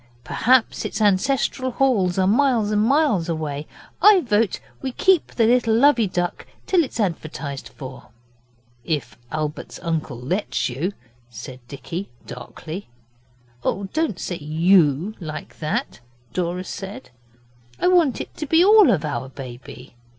Perhaps its ancestral halls are miles and miles away. I vote we keep the little Lovey Duck till it's advertised for.' 'If Albert's uncle lets you,' said Dicky darkly. 'Oh, don't say "you" like that,' Dora said; 'I want it to be all of our baby.